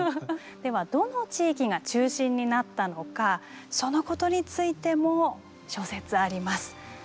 ではどの地域が中心になったのかそのことについても諸説あります。